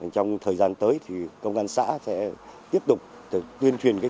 trong thời gian tới thì công an xã sẽ tiếp tục tuyên truyền